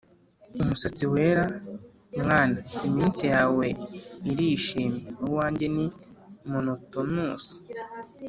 umusatsi wera: mwana, iminsi yawe irishimye, uwanjye ni monotonous